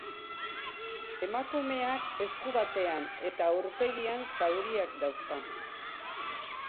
Emakumeak esku batean eta aurpegian zauriak dauzka.